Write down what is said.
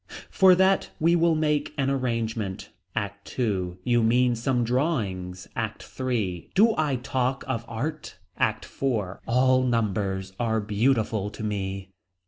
For that we will make an arrangement. ACT II. You mean some drawings. ACT III. Do I talk of art. ACT IV. All numbers are beautiful to me.